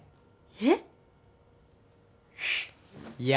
えっ？